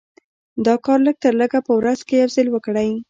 دا کار لږ تر لږه په ورځ کې يو ځل وکړئ.